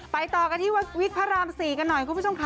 ต่อกันที่วิกพระราม๔กันหน่อยคุณผู้ชมค่ะ